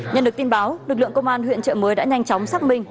nhận được tin báo lực lượng công an huyện trợ mới đã nhanh chóng xác minh